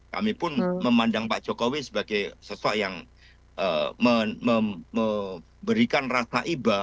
kami pun memandang pak jokowi sebagai sosok yang memberikan rasa iba